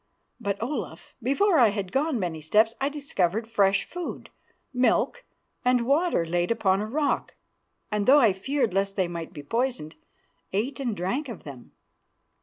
But, Olaf, before I had gone many steps I discovered fresh food, milk and water laid upon a rock, and though I feared lest they might be poisoned, ate and drank of them.